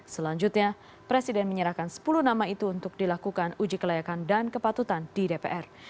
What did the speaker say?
selanjutnya presiden menyerahkan sepuluh nama itu untuk dilakukan uji kelayakan dan kepatutan di dpr